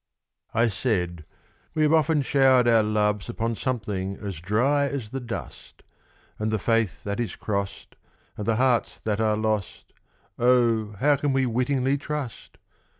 I said, "We have often showered our loves Upon something as dry as the dust; And the faith that is crost, and the hearts that are lost Oh! how can we wittingly trust?